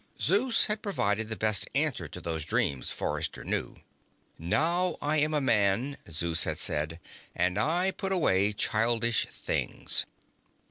Zeus had provided the best answer to those dreams, Forrester knew. "Now I am a man," Zeus had said, "and I put away childish things."